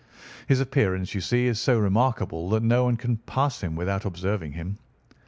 His appearance, you see, is so remarkable that no one can pass him without observing him.